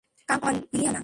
Come on, Ileana?